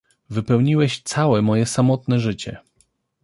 Wypełniłeś całe moje samotne życie!